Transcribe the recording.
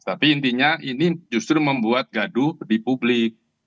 tapi intinya ini justru membuat gaduh di publik